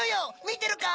見てるか？